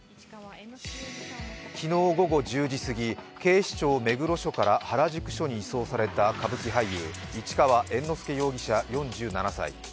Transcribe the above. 昨日午後１０時過ぎ、警視庁目黒署から原宿署に移送された歌舞伎俳優の市川猿之助容疑者４７歳。